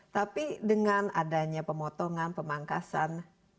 tapi dengan adanya pemotongan pemangkasan